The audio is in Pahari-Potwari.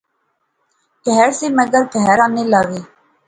کہھر سے مگر کہھر آلے نہسے